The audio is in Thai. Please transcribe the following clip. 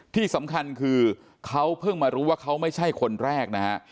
ที่สำคัญคือเขาเพิ่งมารู้ว่าเขาไม่ใช่คนแรกนะฮะ